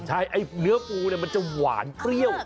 ใช่เนื้อฟูมันจะหวานเตรียว